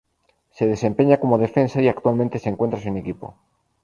Se desempeña como defensa y actualmente se encuentra sin equipo.